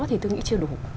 thì tôi nghĩ chưa đủ